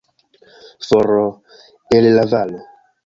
For, el la valo.